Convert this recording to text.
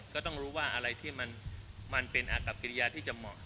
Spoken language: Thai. ก็ต้องรู้ว่าอะไรที่มันเป็นอากับกิริยาที่จะเหมาะ